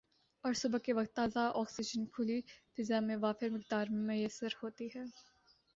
اور صبح کے وقت تازہ آکسیجن کھلی فضا میں وافر مقدار میں میسر ہوتی ہے